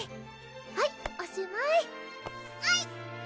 はいおしまいあいっ！